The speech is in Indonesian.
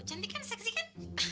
cantik kan sexy kan